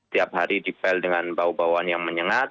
tiap hari dipel dengan bau bauan yang menyengat